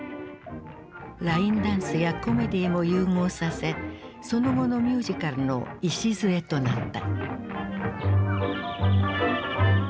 ラインダンスやコメディーも融合させその後のミュージカルの礎となった。